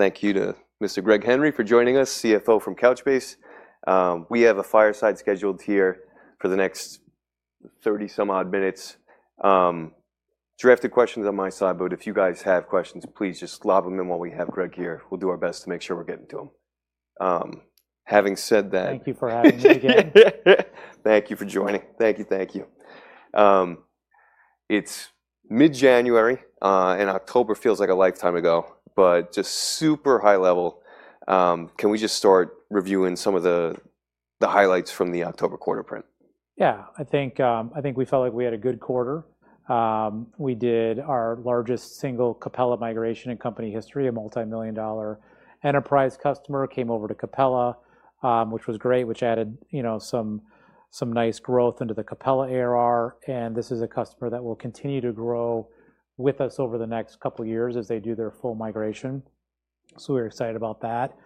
Thank you to Mr. Greg Henry for joining us, CFO from Couchbase. We have a fireside scheduled here for the next 30-some-odd minutes. Drafted questions on my side, but if you guys have questions, please just lob them in while we have Greg here. We'll do our best to make sure we're getting to them. Having said that. Thank you for having me again. Thank you for joining. Thank you, thank you. It's mid-January, and October feels like a lifetime ago, but just super high level. Can we just start reviewing some of the highlights from the October quarter print? Yeah, I think we felt like we had a good quarter. We did our largest single Capella migration in company history. A multi million dollar enterprise customer came over to Capella, which was great, which added some nice growth into the Capella ARR. And this is a customer that will continue to grow with us over the next couple of years as they do their full migration. So we're excited about that.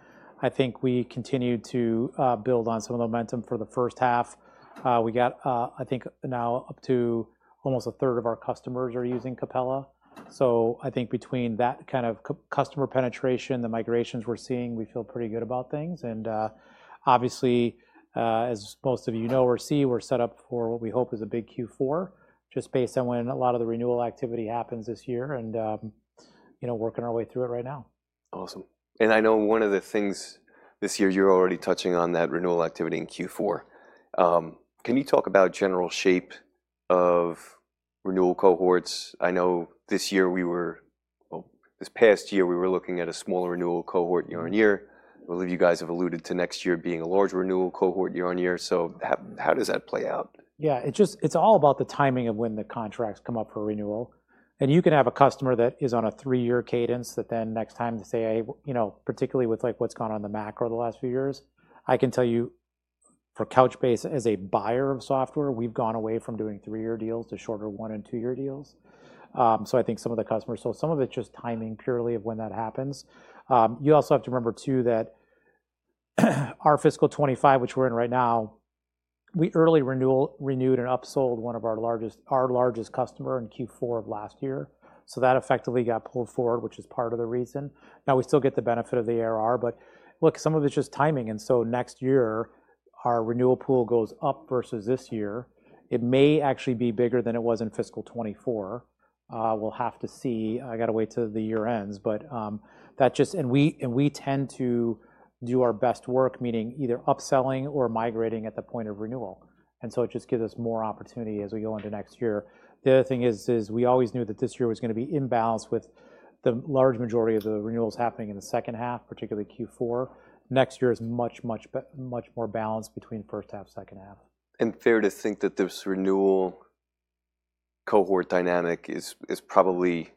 I think we continued to build on some of the momentum for the first half. We got, I think now, up to almost a third of our customers are using Capella. So I think between that kind of customer penetration, the migrations we're seeing, we feel pretty good about things. Obviously, as most of you know or see, we're set up for what we hope is a big Q4, just based on when a lot of the renewal activity happens this year and working our way through it right now. Awesome. And I know one of the things this year you're already touching on, that renewal activity in Q4. Can you talk about general shape of renewal cohorts? I know this year we were, this past year we were looking at a smaller renewal cohort year on year. I believe you guys have alluded to next year being a larger renewal cohort year on year. So how does that play out? Yeah, it's all about the timing of when the contracts come up for renewal, and you can have a customer that is on a three-year cadence that then next time they say, particularly with what's gone on in the macro over the last few years, I can tell you for Couchbase as a buyer of software, we've gone away from doing three-year deals to shorter one and two year deals. So I think some of the customers, so some of it's just timing purely of when that happens. You also have to remember too that our fiscal 2025, which we're in right now, we early renewed and upsold one of our largest customers in Q4 of last year. So that effectively got pulled forward, which is part of the reason. Now we still get the benefit of the ARR, but look, some of it's just timing. And so next year our renewal pool goes up versus this year. It may actually be bigger than it was in fiscal 2024. We'll have to see. I got to wait till the year ends. And we tend to do our best work, meaning either upselling or migrating at the point of renewal. And so it just gives us more opportunity as we go into next year. The other thing is we always knew that this year was going to be in balance with the large majority of the renewals happening in the second half, particularly Q4. Next year is much, much more balanced between first half, second half. Fair to think that this renewal cohort dynamic is probably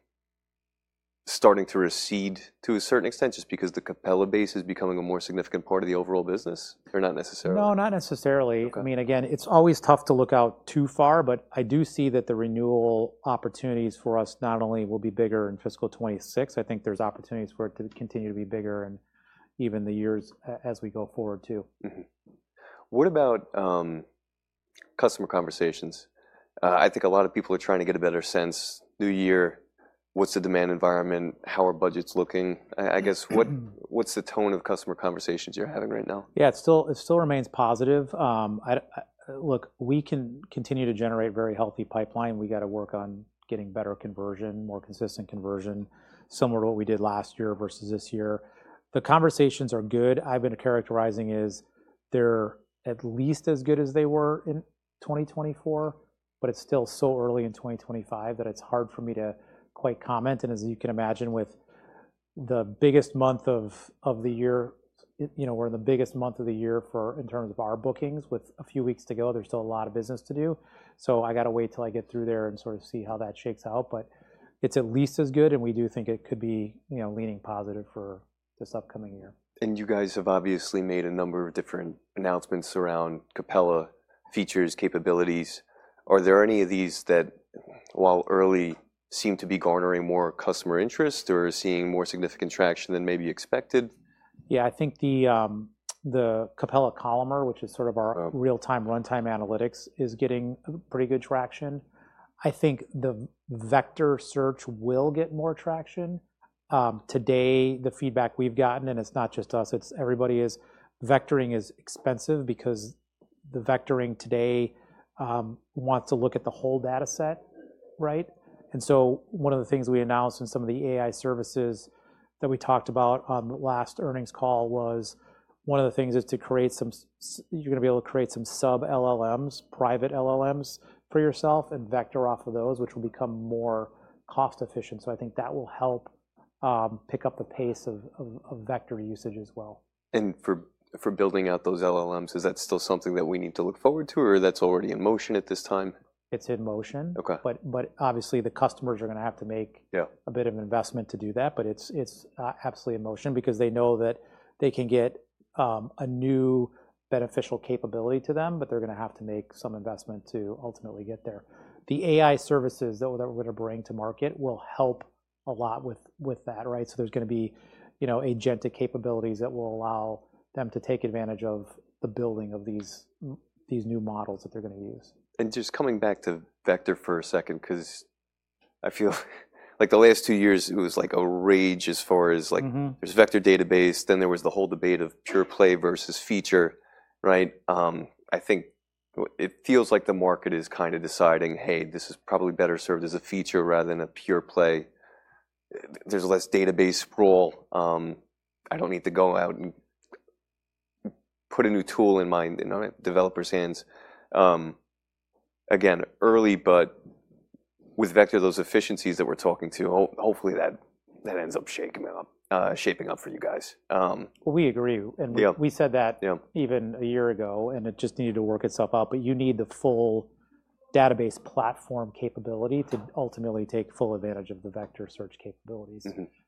starting to recede to a certain extent just because the Capella base is becoming a more significant part of the overall business? Or not necessarily? No, not necessarily. I mean, again, it's always tough to look out too far, but I do see that the renewal opportunities for us not only will be bigger in fiscal 2026, I think there's opportunities for it to continue to be bigger and even the years as we go forward too. What about customer conversations? I think a lot of people are trying to get a better sense. New year, what's the demand environment? How are budgets looking? I guess what's the tone of customer conversations you're having right now? Yeah, it still remains positive. Look, we can continue to generate very healthy pipeline. We got to work on getting better conversion, more consistent conversion, similar to what we did last year versus this year. The conversations are good. I've been characterizing as they're at least as good as they were in 2024, but it's still so early in 2025 that it's hard for me to quite comment, and as you can imagine, with the biggest month of the year, we're in the biggest month of the year in terms of our bookings with a few weeks to go. There's still a lot of business to do, so I got to wait till I get through there and sort of see how that shakes out, but it's at least as good, and we do think it could be leaning positive for this upcoming year. And you guys have obviously made a number of different announcements around Capella features, capabilities. Are there any of these that while early seem to be garnering more customer interest or seeing more significant traction than maybe expected? Yeah, I think the Capella Columnar, which is sort of our real-time runtime analytics, is getting pretty good traction. I think the vector search will get more traction. Today, the feedback we've gotten, and it's not just us, it's everybody. Vectoring is expensive because the vectoring today wants to look at the whole data set, right? And so one of the things we announced in some of the AI services that we talked about on the last earnings call was one of the things is to create some. You're going to be able to create some sub-LLMs, private LLMs for yourself and vector off of those, which will become more cost efficient. So I think that will help pick up the pace of vector usage as well. For building out those LLMs, is that still something that we need to look forward to or that's already in motion at this time? It's in motion. But obviously the customers are going to have to make a bit of investment to do that, but it's absolutely in motion because they know that they can get a new beneficial capability to them, but they're going to have to make some investment to ultimately get there. The AI services that we're going to bring to market will help a lot with that, right? So there's going to be agentic capabilities that will allow them to take advantage of the building of these new models that they're going to use. Just coming back to vector for a second, because I feel like the last two years it was like a rage as far as there's vector database, then there was the whole debate of pure play versus feature, right? I think it feels like the market is kind of deciding, hey, this is probably better served as a feature rather than a pure play. There's less database rule. I don't need to go out and put a new tool in my developer's hands. Again, early, but with vector, those efficiencies that we're talking to, hopefully that ends up shaping up for you guys. We agree. And we said that even a year ago, and it just needed to work itself out. But you need the full database platform capability to ultimately take full advantage of the vector search capabilities.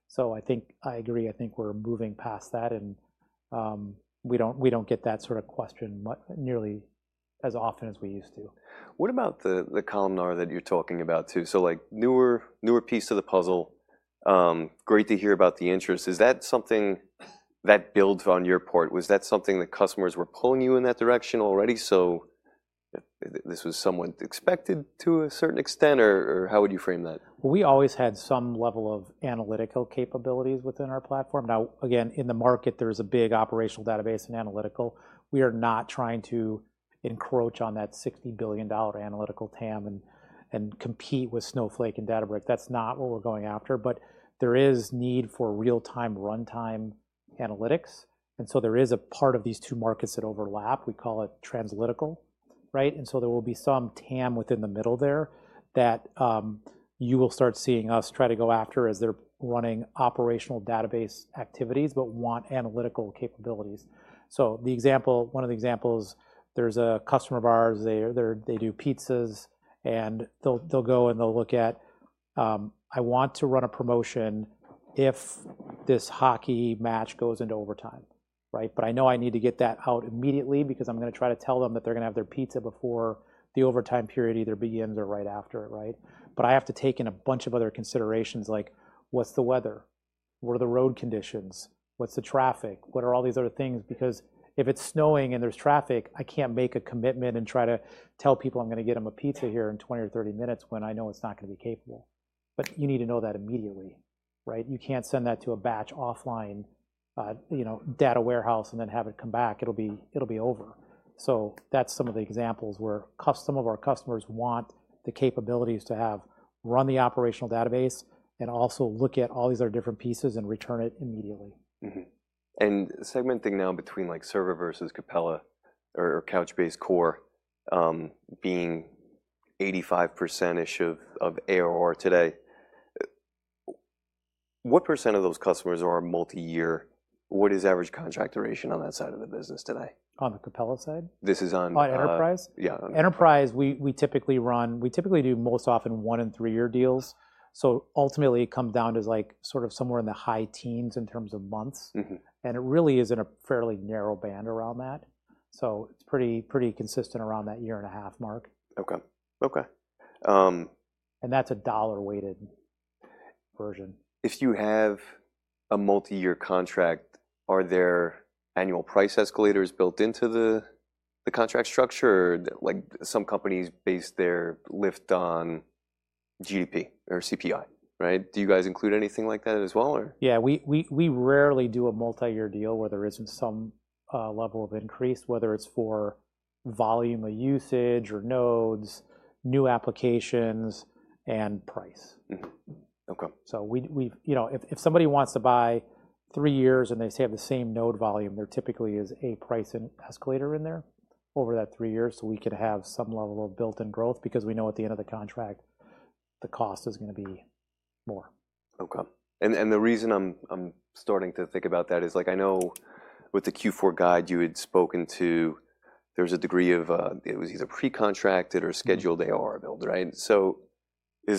So I think I agree. I think we're moving past that, and we don't get that sort of question nearly as often as we used to. What about the columnar that you're talking about too? So like newer piece of the puzzle, great to hear about the interest. Is that something that builds on your part? Was that something that customers were pulling you in that direction already? So this was somewhat expected to a certain extent, or how would you frame that? We always had some level of analytical capabilities within our platform. Now, again, in the market, there's a big operational database and analytical. We are not trying to encroach on that $60 billion analytical TAM and compete with Snowflake and Databricks. That's not what we're going after. But there is need for real-time runtime analytics. And so there is a part of these two markets that overlap. We call it translytical, right? And so there will be some TAM within the middle there that you will start seeing us try to go after as they're running operational database activities, but want analytical capabilities. So the example, one of the examples, there's a customer of ours, they do pizzas, and they'll go and they'll look at, I want to run a promotion if this hockey match goes into overtime, right? But I know I need to get that out immediately because I'm going to try to tell them that they're going to have their pizza before the overtime period either begins or right after it, right? But I have to take in a bunch of other considerations like what's the weather, what are the road conditions, what's the traffic, what are all these other things? Because if it's snowing and there's traffic, I can't make a commitment and try to tell people I'm going to get them a pizza here in 20 or 30 minutes when I know it's not going to be capable. But you need to know that immediately, right? You can't send that to a batch offline, data warehouse, and then have it come back. It'll be over. So that's some of the examples where some of our customers want the capabilities to have run the operational database and also look at all these other different pieces and return it immediately. Segmenting now between server versus Capella or Couchbase Core being 85%-ish of ARR today, what % of those customers are multi-year? What is average contract duration on that side of the business today? On the Capella side? This is on. On enterprise? Yeah. Enterprise, we typically run, we typically do most often one and three year deals, so ultimately it comes down to like sort of somewhere in the high teens in terms of months, and it really is in a fairly narrow band around that, so it's pretty consistent around that year and a half mark. Okay. Okay. That's a dollar-weighted version. If you have a multi-year contract, are there annual price escalators built into the contract structure? Some companies base their lift on GDP or CPI, right? Do you guys include anything like that as well, or? Yeah, we rarely do a multi-year deal where there isn't some level of increase, whether it's for volume of usage or nodes, new applications, and price. Okay. So, if somebody wants to buy three years and they have the same node volume, there typically is a price escalator in there over that three years, so we could have some level of built-in growth because we know at the end of the contract, the cost is going to be more. Okay. And the reason I'm starting to think about that is like I know with the Q4 guide, you had spoken to there's a degree of it was either pre-contracted or scheduled ARR build, right? So is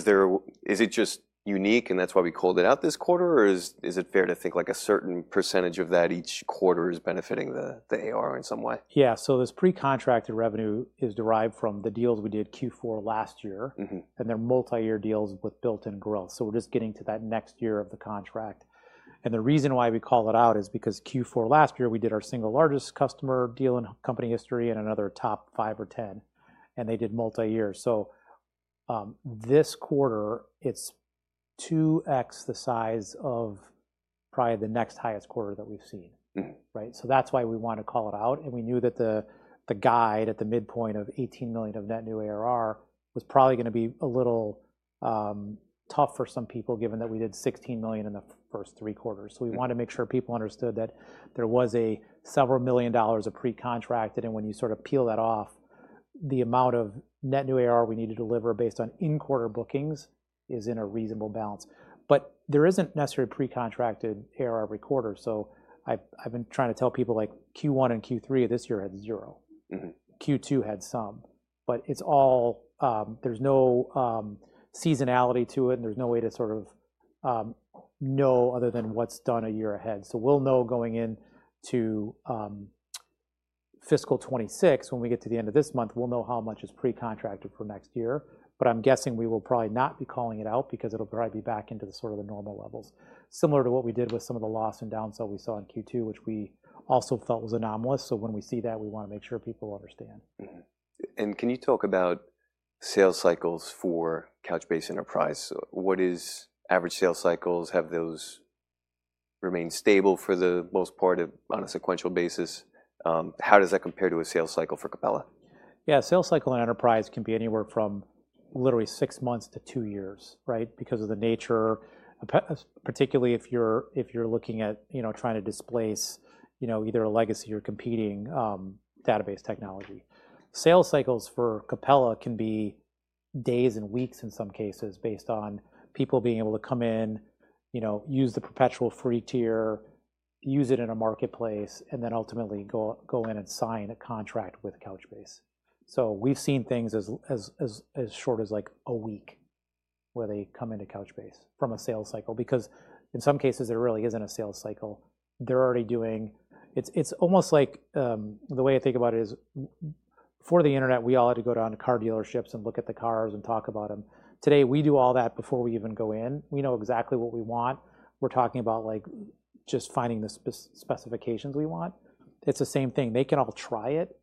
it just unique and that's why we called it out this quarter, or is it fair to think like a certain percentage of that each quarter is benefiting the ARR in some way? Yeah, so this pre-contracted revenue is derived from the deals we did Q4 last year, and they're multi-year deals with built-in growth. So we're just getting to that next year of the contract. And the reason why we call it out is because Q4 last year, we did our single largest customer deal in company history and another top five or ten, and they did multi-year. So this quarter, it's two X the size of probably the next highest quarter that we've seen, right? So that's why we want to call it out. And we knew that the guide at the midpoint of 18 million of net new ARR was probably going to be a little tough for some people given that we did 16 million in the first three quarters. So we wanted to make sure people understood that there was a several million dollars of pre-contracted. When you sort of peel that off, the amount of net new ARR we need to deliver based on in-quarter bookings is in a reasonable balance. But there isn't necessarily pre-contracted ARR recorded. So I've been trying to tell people like Q1 and Q3 of this year had zero. Q2 had some, but it's all, there's no seasonality to it and there's no way to sort of know other than what's done a year ahead. So we'll know going into fiscal 2026, when we get to the end of this month, we'll know how much is pre-contracted for next year. But I'm guessing we will probably not be calling it out because it'll probably be back into the sort of the normal levels. Similar to what we did with some of the churn and downsell we saw in Q2, which we also felt was anomalous. When we see that, we want to make sure people understand. Can you talk about sales cycles for Couchbase Enterprise? What is average sales cycles? Have those remained stable for the most part on a sequential basis? How does that compare to a sales cycle for Capella? Yeah, sales cycle in enterprise can be anywhere from literally six months to two years, right? Because of the nature, particularly if you're looking at trying to displace either a legacy or competing database technology. Sales cycles for Capella can be days and weeks in some cases based on people being able to come in, use the perpetual free tier, use it in a marketplace, and then ultimately go in and sign a contract with Couchbase. So we've seen things as short as like a week where they come into Couchbase from a sales cycle because in some cases, there really isn't a sales cycle. They're already doing it. It's almost like the way I think about it is before the internet, we all had to go down to car dealerships and look at the cars and talk about them. Today, we do all that before we even go in. We know exactly what we want. We're talking about like just finding the specifications we want. It's the same thing. They can all try it,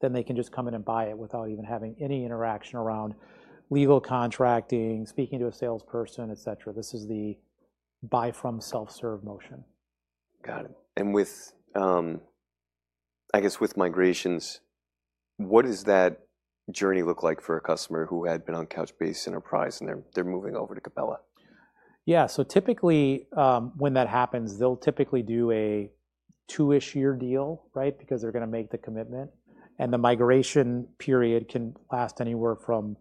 then they can just come in and buy it without even having any interaction around legal contracting, speaking to a salesperson, etc. This is the buy from self-serve motion. Got it. And I guess with migrations, what does that journey look like for a customer who had been on Couchbase Enterprise and they're moving over to Capella? Yeah, so typically when that happens, they'll typically do a two-ish year deal, right? Because they're going to make the commitment. And the migration period can last anywhere from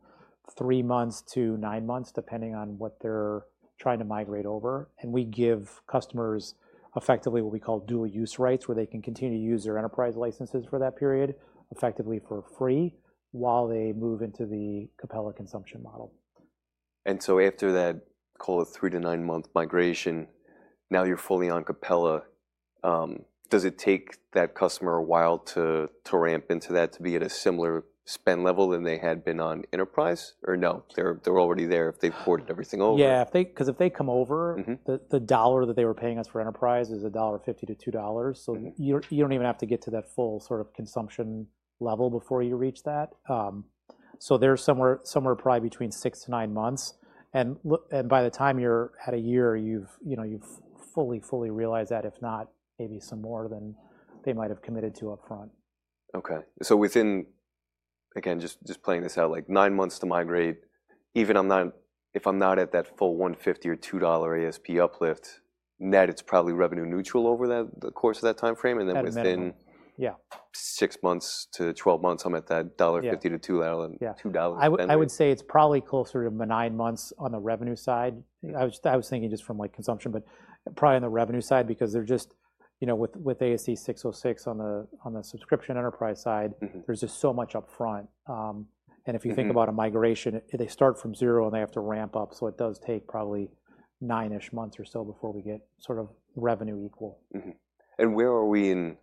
three months to nine months, depending on what they're trying to migrate over. And we give customers effectively what we call dual use rights where they can continue to use their enterprise licenses for that period effectively for free while they move into the Capella consumption model. And so after that call of three to nine month migration, now you're fully on Capella. Does it take that customer a while to ramp into that to be at a similar spend level than they had been on enterprise or no? They're already there if they've boarded everything over. Yeah, because if they come over, the dollar that they were paying us for enterprise is $1.50 to $2. So you don't even have to get to that full sort of consumption level before you reach that. So they're somewhere probably between six to nine months. And by the time you're at a year, you've fully, fully realized that if not, maybe some more than they might have committed to upfront. Okay. So within, again, just playing this out, like nine months to migrate, even if I'm not at that full $1.50 or $2 ASP uplift, net it's probably revenue neutral over the course of that timeframe. And then within six months to 12 months, I'm at that $1.50 to $2. I would say it's probably closer to nine months on the revenue side. I was thinking just from like consumption, but probably on the revenue side because they're just with ASC 606 on the subscription enterprise side, there's just so much upfront. And if you think about a migration, they start from zero and they have to ramp up. So it does take probably nine-ish months or so before we get sort of revenue equal. And where are we in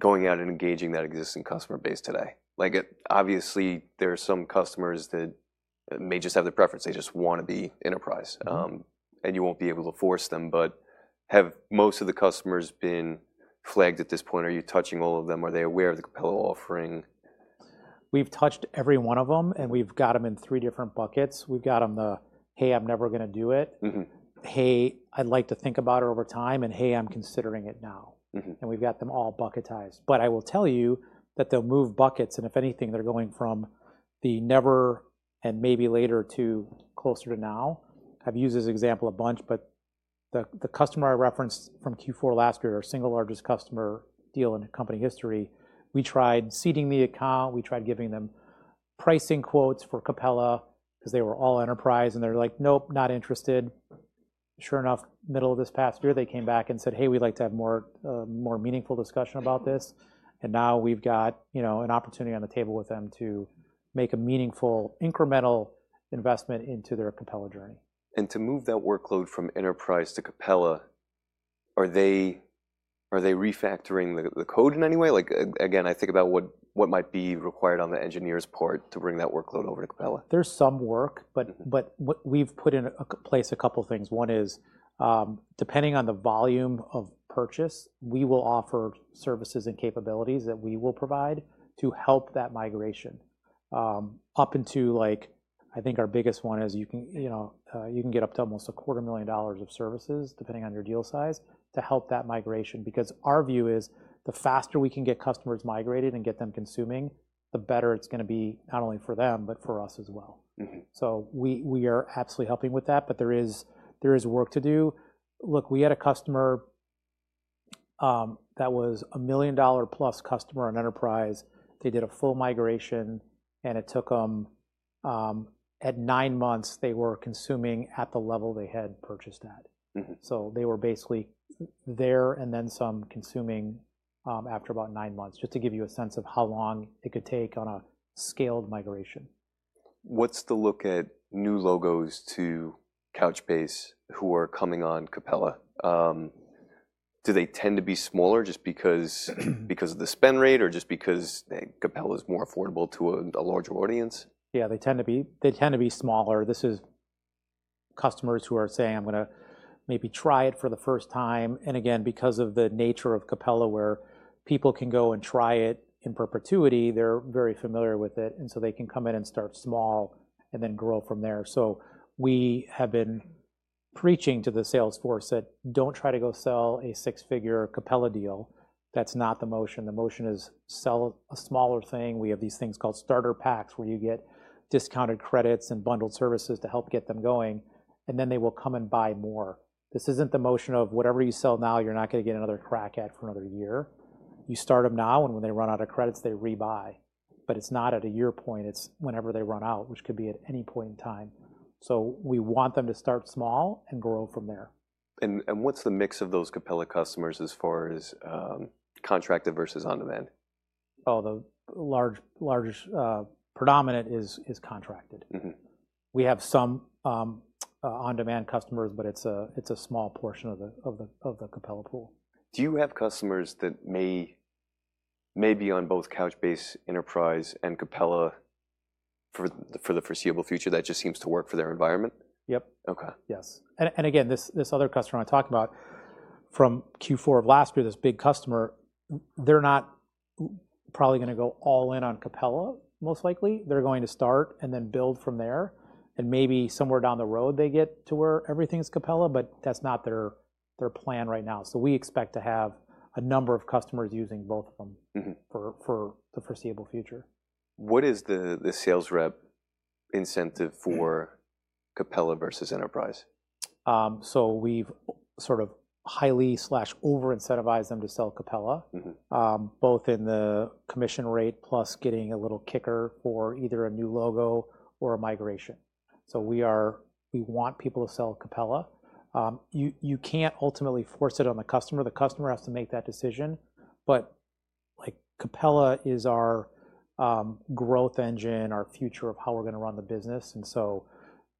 going out and engaging that existing customer base today? Like obviously there are some customers that may just have the preference, they just want to be enterprise. And you won't be able to force them, but have most of the customers been flagged at this point? Are you touching all of them? Are they aware of the Capella offering? We've touched every one of them and we've got them in three different buckets. We've got them the hey, I'm never going to do it, hey, I'd like to think about it over time, and hey, I'm considering it now, and we've got them all bucketized, but I will tell you that they'll move buckets, and if anything, they're going from the never and maybe later to closer to now. I've used this example a bunch, but the customer I referenced from Q4 last year, our single largest customer deal in company history, we tried seeding the account. We tried giving them pricing quotes for Capella because they were all enterprise, and they're like, nope, not interested. Sure enough, middle of this past year, they came back and said, hey, we'd like to have more meaningful discussion about this. Now we've got an opportunity on the table with them to make a meaningful incremental investment into their Capella journey. To move that workload from enterprise to Capella, are they refactoring the code in any way? Like again, I think about what might be required on the engineer's part to bring that workload over to Capella. There's some work, but we've put in place a couple of things. One is depending on the volume of purchase, we will offer services and capabilities that we will provide to help that migration up into like, I think our biggest one is you can get up to almost $250,000 of services depending on your deal size to help that migration. Because our view is the faster we can get customers migrated and get them consuming, the better it's going to be not only for them, but for us as well. So we are absolutely helping with that, but there is work to do. Look, we had a customer that was a $1 million plus customer on Enterprise. They did a full migration and it took them nine months; they were consuming at the level they had purchased at. So they were basically there and then some consuming after about nine months just to give you a sense of how long it could take on a scaled migration. What's the outlook for new logos to Couchbase who are coming on Capella? Do they tend to be smaller just because of the spend rate or just because Capella is more affordable to a larger audience? Yeah, they tend to be smaller. This is customers who are saying, I'm going to maybe try it for the first time. And again, because of the nature of Capella where people can go and try it in perpetuity, they're very familiar with it. And so they can come in and start small and then grow from there. So we have been preaching to the sales force that don't try to go sell a six-figure Capella deal. That's not the motion. The motion is sell a smaller thing. We have these things called starter packs where you get discounted credits and bundled services to help get them going. And then they will come and buy more. This isn't the motion of whatever you sell now, you're not going to get another crack at for another year. You start them now and when they run out of credits, they rebuy. But it's not at a year point. It's whenever they run out, which could be at any point in time. So we want them to start small and grow from there. What's the mix of those Capella customers as far as contracted versus on-demand? Oh, the largest predominant is contracted. We have some on-demand customers, but it's a small portion of the Capella pool. Do you have customers that may be on both Couchbase Enterprise and Capella for the foreseeable future that just seems to work for their environment? Yep. Yes. And again, this other customer I talked about from Q4 of last year, this big customer, they're not probably going to go all in on Capella, most likely. They're going to start and then build from there. And maybe somewhere down the road, they get to where everything is Capella, but that's not their plan right now. So we expect to have a number of customers using both of them for the foreseeable future. What is the sales rep incentive for Capella versus enterprise? So we've sort of highly over-incentivized them to sell Capella, both in the commission rate plus getting a little kicker for either a new logo or a migration. So we want people to sell Capella. You can't ultimately force it on the customer. The customer has to make that decision. But Capella is our growth engine, our future of how we're going to run the business. And so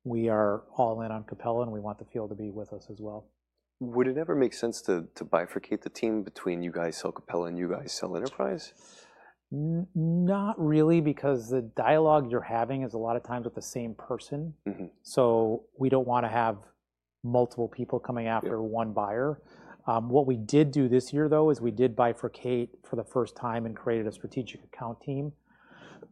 we are all in on Capella and we want the field to be with us as well. Would it ever make sense to bifurcate the team between you guys sell Capella and you guys sell enterprise? Not really because the dialogue you're having is a lot of times with the same person. So we don't want to have multiple people coming after one buyer. What we did do this year though is we did bifurcate for the first time and created a strategic account team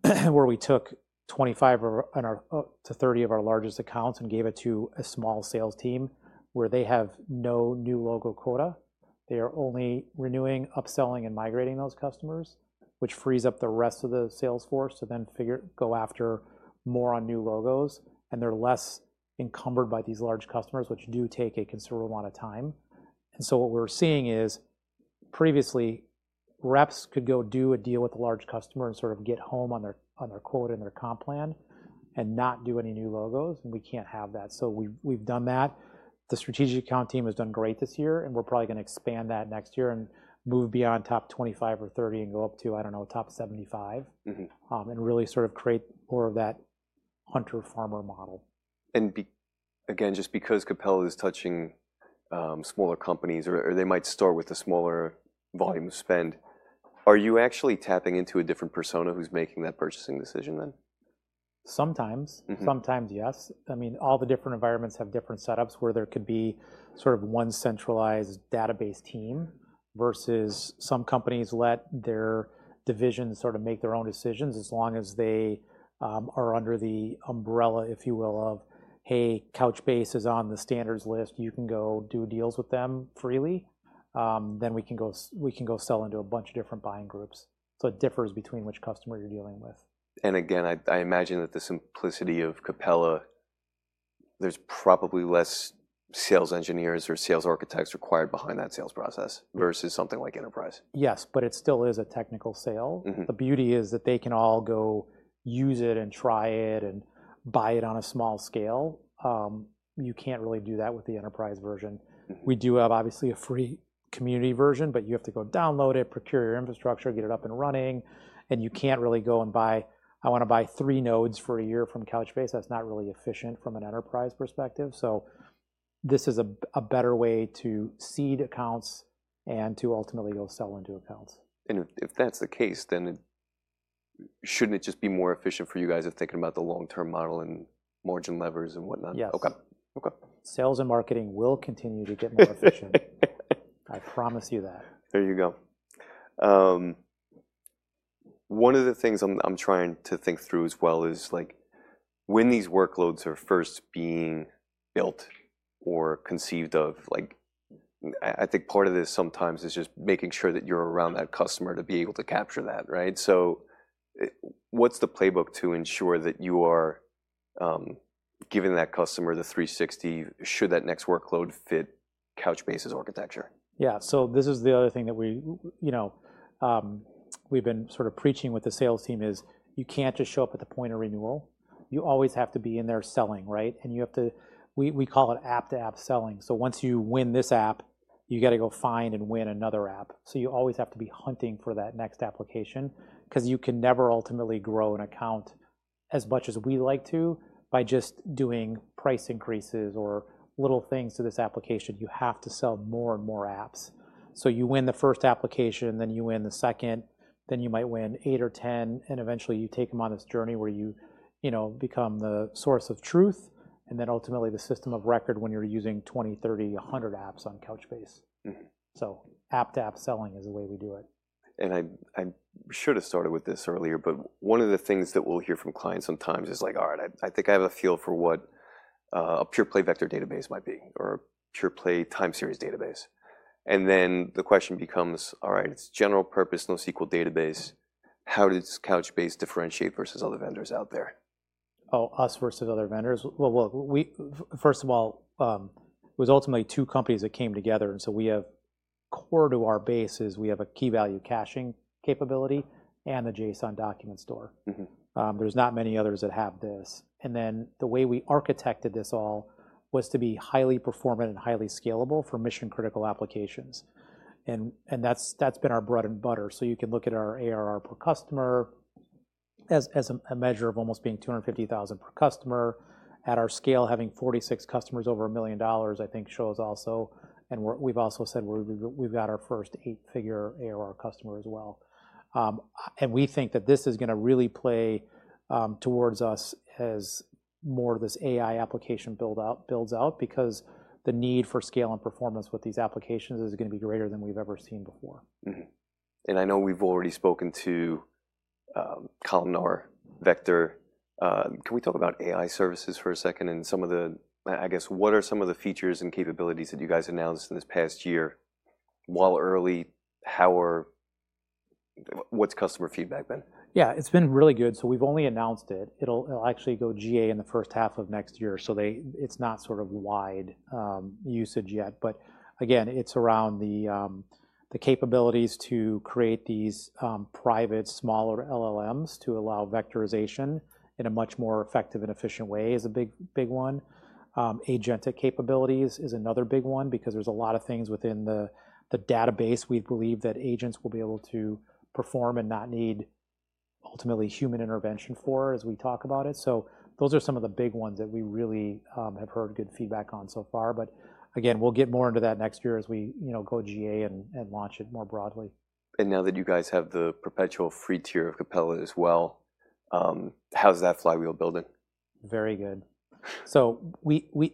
where we took 25 to 30 of our largest accounts and gave it to a small sales team where they have no new logo quota. They are only renewing, upselling, and migrating those customers, which frees up the rest of the salesforce to then go after more on new logos, and they're less encumbered by these large customers, which do take a considerable amount of time, and so what we're seeing is previously reps could go do a deal with a large customer and sort of get home on their quote and their comp plan and not do any new logos. And we can't have that. So we've done that. The strategic account team has done great this year and we're probably going to expand that next year and move beyond top 25 or 30 and go up to, I don't know, top 75 and really sort of create more of that hunter farmer model. Again, just because Capella is touching smaller companies or they might start with a smaller volume spend, are you actually tapping into a different persona who's making that purchasing decision then? Sometimes. Sometimes yes. I mean, all the different environments have different setups where there could be sort of one centralized database team versus some companies let their divisions sort of make their own decisions as long as they are under the umbrella, if you will, of, hey, Couchbase is on the standards list. You can go do deals with them freely. Then we can go sell into a bunch of different buying groups. So it differs between which customer you're dealing with. Again, I imagine that the simplicity of Capella. There's probably less sales engineers or sales architects required behind that sales process versus something like Enterprise. Yes, but it still is a technical sale. The beauty is that they can all go use it and try it and buy it on a small scale. You can't really do that with the enterprise version. We do have obviously a free community version, but you have to go download it, procure your infrastructure, get it up and running. And you can't really go and buy, I want to buy three nodes for a year from Couchbase. That's not really efficient from an enterprise perspective. So this is a better way to seed accounts and to ultimately go sell into accounts. If that's the case, then shouldn't it just be more efficient for you guys of thinking about the long-term model and margin levers and whatnot? Yes. Sales and marketing will continue to get more efficient. I promise you that. There you go. One of the things I'm trying to think through as well is when these workloads are first being built or conceived of, I think part of this sometimes is just making sure that you're around that customer to be able to capture that, right? So what's the playbook to ensure that you are giving that customer the 360 should that next workload fit Couchbase's architecture? Yeah. So this is the other thing that we've been sort of preaching with the sales team is you can't just show up at the point of renewal. You always have to be in there selling, right? And you have to, we call it app to app selling. So once you win this app, you got to go find and win another app. So you always have to be hunting for that next application because you can never ultimately grow an account as much as we like to by just doing price increases or little things to this application. You have to sell more and more apps. So you win the first application, then you win the second, then you might win eight or 10, and eventually you take them on this journey where you become the source of truth and then ultimately the system of record when you're using 20, 30, 100 apps on Couchbase. So app to app selling is the way we do it. I should have started with this earlier, but one of the things that we'll hear from clients sometimes is like, all right, I think I have a feel for what a pure play vector database might be or a pure play time series database. Then the question becomes, all right, it's general purpose, NoSQL database. How does Couchbase differentiate versus other vendors out there? Oh, us versus other vendors? Well, first of all, it was ultimately two companies that came together. And so we have core to our bases, we have a key value caching capability and the JSON document store. There's not many others that have this. And then the way we architected this all was to be highly performant and highly scalable for mission-critical applications. And that's been our bread and butter. So you can look at our ARR per customer as a measure of almost being $250,000 per customer at our scale, having 46 customers over $1 million, I think shows also. And we've also said we've got our first eight-figure ARR customer as well. We think that this is going to really play towards us as more of this AI application builds out because the need for scale and performance with these applications is going to be greater than we've ever seen before. I know we've already spoken to Capella Columnar vector. Can we talk about Capella AI Services for a second and some of the, I guess, what are some of the features and capabilities that you guys announced in this past year? While early, how are, what's customer feedback been? Yeah, it's been really good. So we've only announced it. It'll actually go GA in the first half of next year. So it's not sort of wide usage yet. But again, it's around the capabilities to create these private smaller LLMs to allow vectorization in a much more effective and efficient way is a big one. Agentic capabilities is another big one because there's a lot of things within the database we believe that agents will be able to perform and not need ultimately human intervention for as we talk about it. So those are some of the big ones that we really have heard good feedback on so far. But again, we'll get more into that next year as we go GA and launch it more broadly. Now that you guys have the perpetual free tier of Capella as well, how's that flywheel building? Very good. So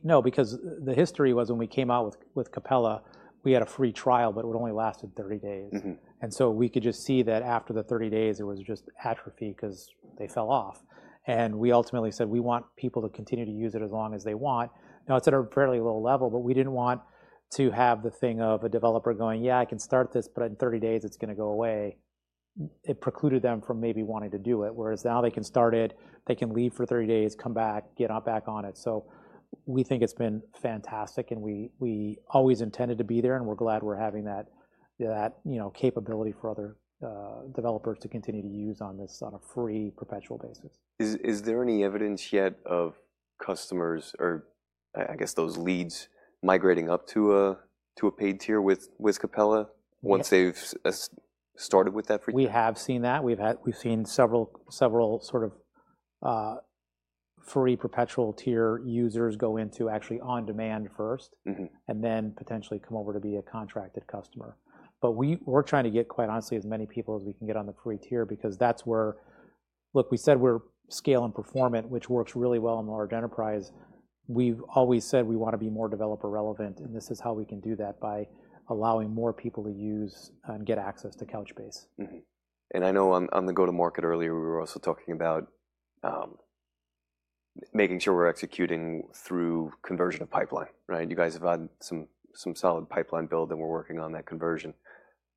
no, because the history was when we came out with Capella, we had a free trial, but it would only last 30 days. And so we could just see that after the 30 days, it was just atrophy because they fell off. And we ultimately said we want people to continue to use it as long as they want. Now it's at a fairly low level, but we didn't want to have the thing of a developer going, yeah, I can start this, but in 30 days it's going to go away. It precluded them from maybe wanting to do it. Whereas now they can start it, they can leave for 30 days, come back, get back on it. So we think it's been fantastic and we always intended to be there and we're glad we're having that capability for other developers to continue to use on a free perpetual basis. Is there any evidence yet of customers or I guess those leads migrating up to a paid tier with Capella once they've started with that free tier? We have seen that. We've seen several sort of free perpetual tier users go into actually on-demand first and then potentially come over to be a contracted customer. But we're trying to get quite honestly as many people as we can get on the free tier because that's where, look, we said we're scale and performant, which works really well in large enterprise. We've always said we want to be more developer relevant and this is how we can do that by allowing more people to use and get access to Couchbase. I know on the go-to-market earlier, we were also talking about making sure we're executing through conversion of pipeline, right? You guys have had some solid pipeline build and we're working on that conversion.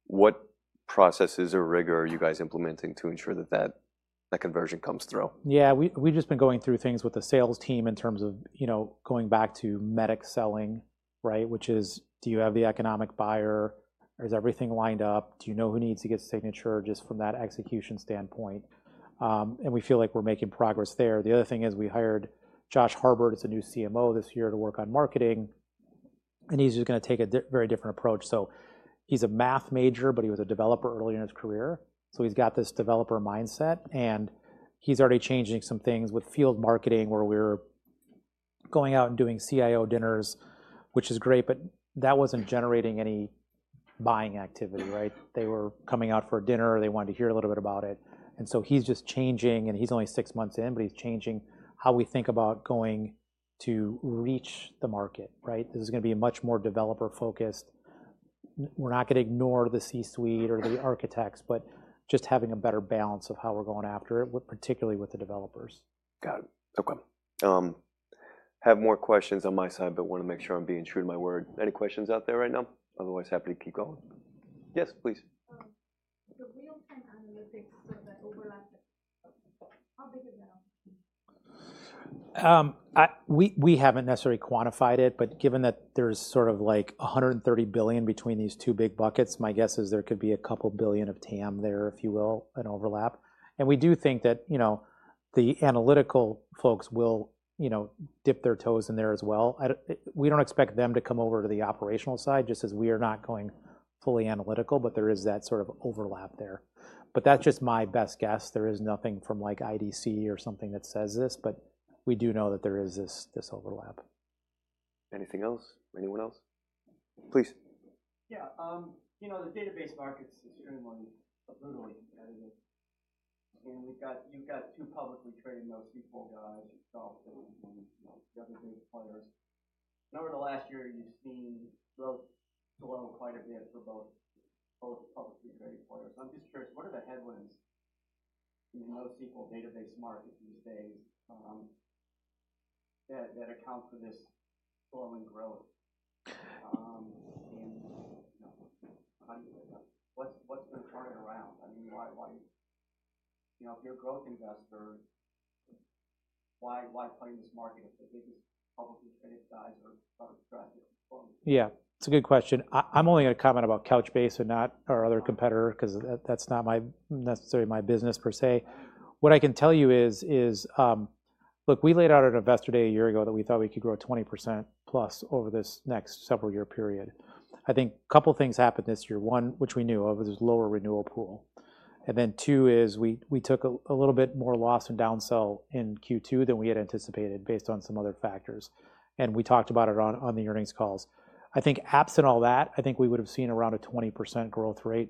What processes or rigor are you guys implementing to ensure that that conversion comes through? Yeah, we've just been going through things with the sales team in terms of going back to MEDDIC selling, right? Which is, do you have the economic buyer? Is everything lined up? Do you know who needs to get signature just from that execution standpoint? And we feel like we're making progress there. The other thing is we hired Josh Harbert, who's a new CMO this year to work on marketing. And he's just going to take a very different approach. So he's a math major, but he was a developer early in his career. So he's got this developer mindset and he's already changing some things with field marketing where we're going out and doing CIO dinners, which is great, but that wasn't generating any buying activity, right? They were coming out for a dinner. They wanted to hear a little bit about it. He's just changing and he's only six months in, but he's changing how we think about going to reach the market, right? This is going to be much more developer focused. We're not going to ignore the C-suite or the architects, but just having a better balance of how we're going after it, particularly with the developers. Got it. Okay. Have more questions on my side, but want to make sure I'm being true to my word. Any questions out there right now? Otherwise, happy to keep going. Yes, please. The real-time analytics that overlap, how big is that? We haven't necessarily quantified it, but given that there's sort of like $130 billion between these two big buckets, my guess is there could be a couple billion of TAM there, if you will, in overlap, and we do think that the analytical folks will dip their toes in there as well. We don't expect them to come over to the operational side just as we are not going fully analytical, but there is that sort of overlap there, but that's just my best guess. There is nothing from like IDC or something that says this, but we do know that there is this overlap. Anything else? Anyone else? Please. Yeah. You know, the database market is extremely brutally competitive, and you've got two publicly traded NoSQL guys, yourself and the other big players, and over the last year, you've seen growth slow quite a bit for both publicly traded players. I'm just curious, what are the headwinds in the NoSQL database market these days that account for this slowing growth? And what's been turning around? I mean, if you're a growth investor, why play in this market if the biggest publicly traded guys are driving it? Yeah. It's a good question. I'm only going to comment about Couchbase and not our other competitor because that's not necessarily my business per se. What I can tell you is, look, we laid out an investor day a year ago that we thought we could grow 20% plus over this next several year period. I think a couple of things happened this year. One, which we knew of, was lower renewal pool. And then two is we took a little bit more loss and downsell in Q2 than we had anticipated based on some other factors. And we talked about it on the earnings calls. I think apps and all that, I think we would have seen around a 20% growth rate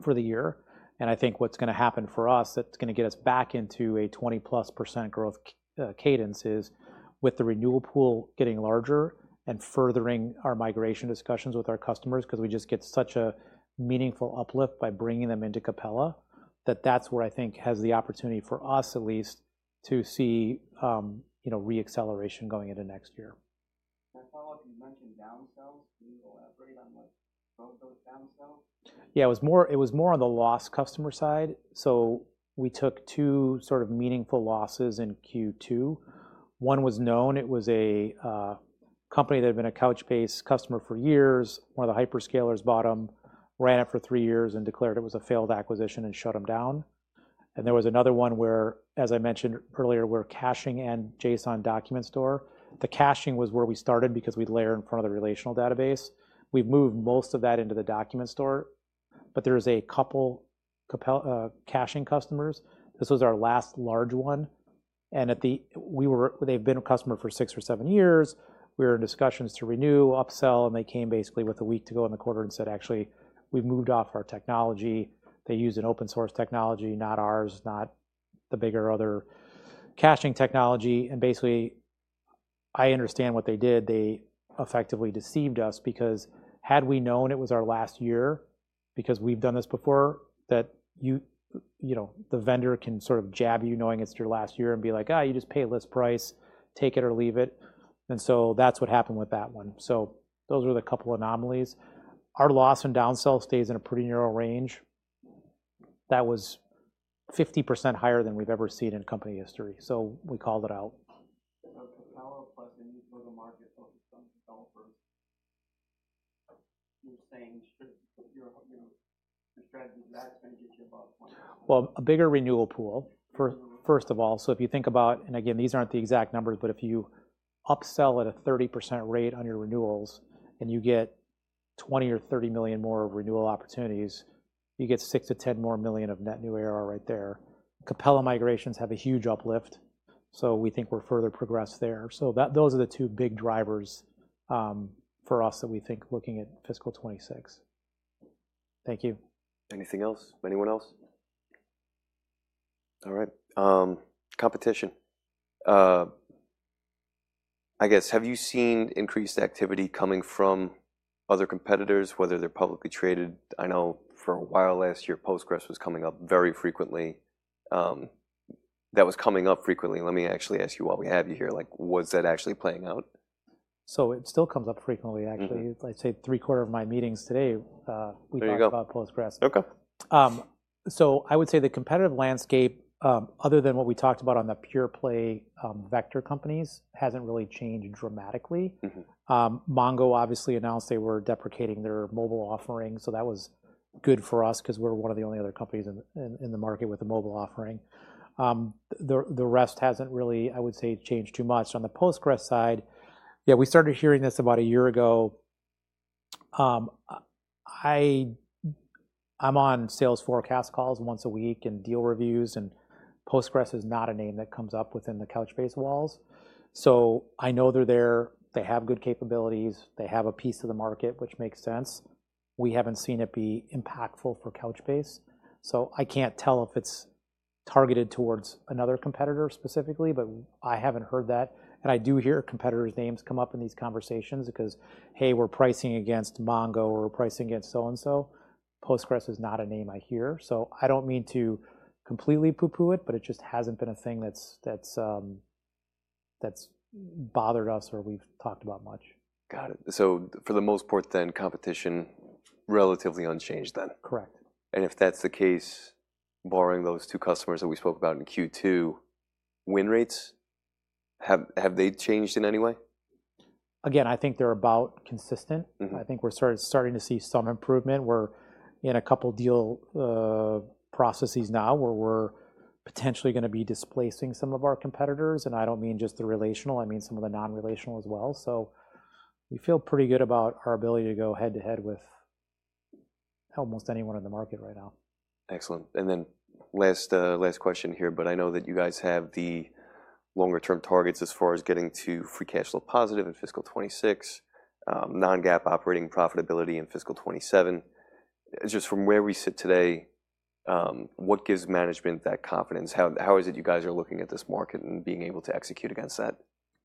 for the year. I think what's going to happen for us that's going to get us back into a 20-plus% growth cadence is with the renewal pool getting larger and furthering our migration discussions with our customers because we just get such a meaningful uplift by bringing them into Capella, that that's where I think has the opportunity for us at least to see re-acceleration going into next year. I saw what you mentioned downsells. Can you elaborate on what broke those downsells? Yeah, it was more on the lost customer side. So we took two sort of meaningful losses in Q2. One was known. It was a company that had been a Couchbase customer for years. One of the hyperscalers bought them, ran it for three years and declared it was a failed acquisition and shut them down. And there was another one where, as I mentioned earlier, we're caching and JSON document store. The caching was where we started because we'd layer in front of the relational database. We've moved most of that into the document store, but there's a couple caching customers. This was our last large one. And they've been a customer for six or seven years. We were in discussions to renew, upsell, and they came basically with a week to go in the quarter and said, actually, we've moved off our technology. They used an open source technology, not ours, not the bigger other caching technology, and basically, I understand what they did. They effectively deceived us because had we known it was our last year, because we've done this before, that the vendor can sort of jack you knowing it's your last year and be like, you just pay list price, take it or leave it, so that's what happened with that one. Those were the couple anomalies. Our loss and downsell stays in a pretty narrow range. That was 50% higher than we've ever seen in company history, so we called it out. So, Capella plus any go-to-market focused on developers, you're saying your strategy is that's going to get you above 20? A bigger renewal pool, first of all. If you think about, and again, these aren't the exact numbers, but if you upsell at a 30% rate on your renewals and you get 20 or 30 million more renewal opportunities, you get 6 to 10 more million of net new ARR right there. Capella migrations have a huge uplift. We think we're further progressed there. Those are the two big drivers for us that we think looking at fiscal 2026. Thank you. Anything else? Anyone else? All right. Competition. I guess, have you seen increased activity coming from other competitors, whether they're publicly traded? I know for a while last year, Postgres was coming up very frequently. That was coming up frequently. Let me actually ask you while we have you here, was that actually playing out? It still comes up frequently, actually. I'd say three-quarters of my meetings today, we talk about Postgres. There you go. So I would say the competitive landscape, other than what we talked about on the pure play vector companies, hasn't really changed dramatically. Mongo obviously announced they were deprecating their mobile offering. So that was good for us because we're one of the only other companies in the market with a mobile offering. The rest hasn't really, I would say, changed too much. On the Postgres side, yeah, we started hearing this about a year ago. I'm on sales forecast calls once a week and deal reviews, and Postgres is not a name that comes up within the Couchbase walls. So I know they're there. They have good capabilities. They have a piece of the market, which makes sense. We haven't seen it be impactful for Couchbase. So I can't tell if it's targeted towards another competitor specifically, but I haven't heard that. I do hear competitors' names come up in these conversations because, hey, we're pricing against Mongo or we're pricing against so-and-so. Postgres is not a name I hear. I don't mean to completely poo-poo it, but it just hasn't been a thing that's bothered us or we've talked about much. Got it. So for the most part then, competition relatively unchanged then? Correct. And if that's the case, borrowing those two customers that we spoke about in Q2, win rates, have they changed in any way? Again, I think they're about consistent. I think we're starting to see some improvement. We're in a couple deal processes now where we're potentially going to be displacing some of our competitors. And I don't mean just the relational, I mean some of the non-relational as well. So we feel pretty good about our ability to go head to head with almost anyone in the market right now. Excellent, and then last question here, but I know that you guys have the longer-term targets as far as getting to free cash flow positive in fiscal 2026, non-GAAP operating profitability in fiscal 2027. Just from where we sit today, what gives management that confidence? How is it you guys are looking at this market and being able to execute against that?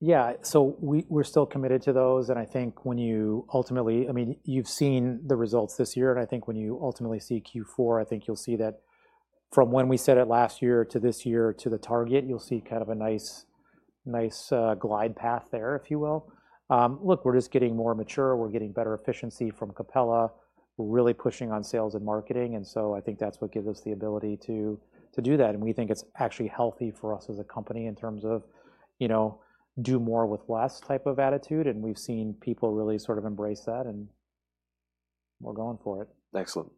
Yeah, so we're still committed to those, and I think when you ultimately, I mean, you've seen the results this year, and I think when you ultimately see Q4, I think you'll see that from when we said it last year to this year to the target. You'll see kind of a nice glide path there, if you will. Look, we're just getting more mature. We're getting better efficiency from Capella. We're really pushing on sales and marketing, and so I think that's what gives us the ability to do that, and we think it's actually healthy for us as a company in terms of do more with less type of attitude, and we've seen people really sort of embrace that, and we're going for it. Excellent.